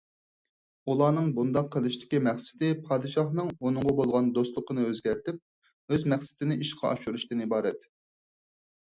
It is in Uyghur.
ئۇلارنىڭ بۇنداق قىلىشتىكى مەقسىتى پادىشاھنىڭ ئۇنىڭغا بولغان دوستلۇقىنى ئۆزگەرتىپ، ئۆز مەقسىتىنى ئىشقا ئاشۇرۇشتىن ئىبارەت.